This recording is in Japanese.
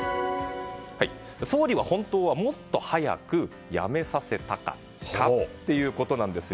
総理は本当はもっと早く辞めさせたかったということです。